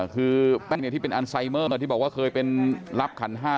คือแป้นที่เป็นอันไซเมอร์ที่บอกว่าเคยเป็นรับขันห้า